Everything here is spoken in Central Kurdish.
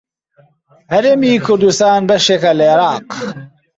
هەرێمی کوردستان بەشێکە لە عێراق.